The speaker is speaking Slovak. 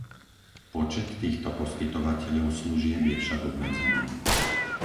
Počet týchto poskytovateľov služieb je však obmedzený.